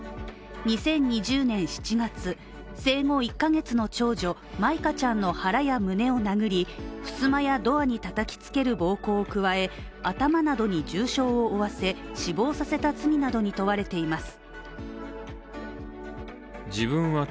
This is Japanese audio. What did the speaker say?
２０２０年７月、生後１カ月の長女、舞香ちゃんの腹や胸を殴り、ふすまやドアにたたきつける暴行を加え頭などに重傷を負わせ、死亡させた罪などに問われています。